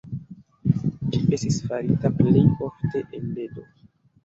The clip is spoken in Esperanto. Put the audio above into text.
Ĝi estis farita plej ofte el ledo.